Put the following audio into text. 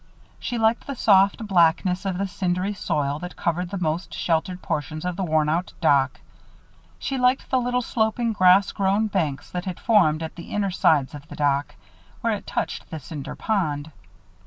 She liked the soft blackness of the cindery soil that covered the most sheltered portions of the worn out dock. She liked the little sloping grass grown banks that had formed at the inner sides of the dock, where it touched the Cinder Pond.